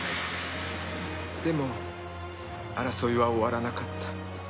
でも争いは終わらなかった。